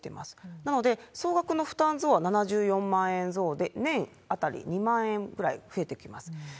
なので、総額の負担増は７４万円増で、年あたり２万円ぐらい増えてきます。